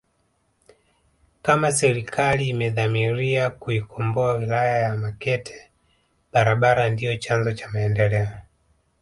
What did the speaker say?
Kama serikali imedhamiria kuikomboa wilaya ya Makete barabara ndio chanzo za maendeleo